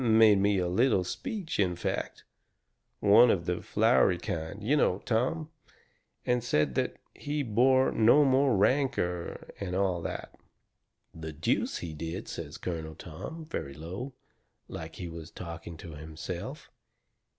Made me quite a little speech, in fact; one of the flowery kind, you know, Tom, and said that he bore me no rancour, and all that." "The deuce he did!" says Colonel Tom, very low, like he was talking to himself.